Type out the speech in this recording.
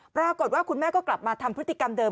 ปรากฏว่าคุณแม่ก็กลับมาทำพฤติกรรมเดิม